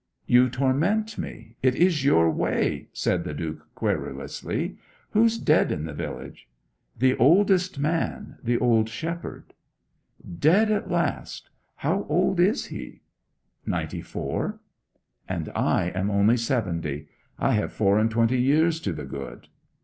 'You torment me it is your way!' said the Duke querulously. 'Who's dead in the village?' 'The oldest man the old shepherd.' 'Dead at last how old is he?' 'Ninety four.' 'And I am only seventy. I have four and twenty years to the good!'